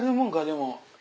でも。